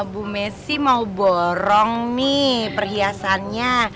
bu messi mau borong nih perhiasannya